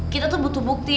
kita tuh butuh bukti